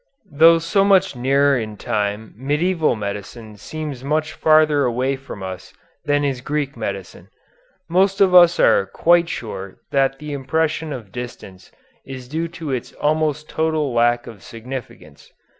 Though so much nearer in time medieval medicine seems much farther away from us than is Greek medicine. Most of us are quite sure that the impression of distance is due to its almost total lack of significance.